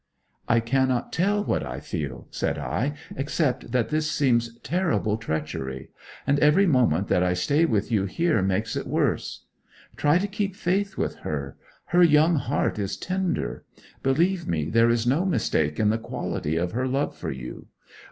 'I cannot tell what I feel,' said I, 'except that this seems terrible treachery; and every moment that I stay with you here makes it worse! ... Try to keep faith with her her young heart is tender; believe me there is no mistake in the quality of her love for you.